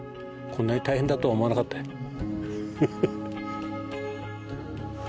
こんなに大変だとは思わなかったよ。